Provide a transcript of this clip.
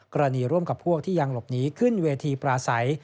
ร่วมกับพวกที่ยังหลบหนีขึ้นเวทีปราศัย